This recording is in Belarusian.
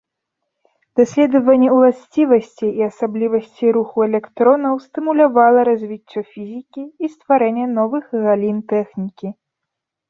Даследаванні ўласцівасцей і асаблівасцей руху электронаў стымулявала развіццё фізікі і стварэнне новых галін тэхнікі.